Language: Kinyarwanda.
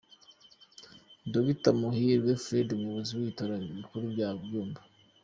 Dr Muhairwe Fred umuyobozi w’ibitaro bikuru bya Byumba.